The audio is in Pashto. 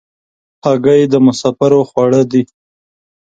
هګۍ د مسافرو خواړه دي.